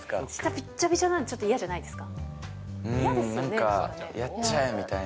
びっちゃびちゃなのちょっと嫌じゃないですか。